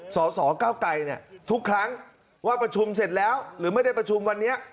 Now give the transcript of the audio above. สสเก้าไกรทุกครั้งว่าประชุมเสร็จแล้วหรือไม่ได้ประชุมวันนี้